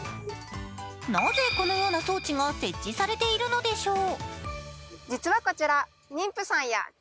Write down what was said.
なぜこのような装置が設置されているのでしょう？